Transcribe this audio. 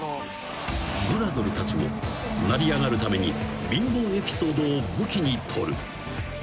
［グラドルたちも成り上がるために貧乏エピソードを武器に取る］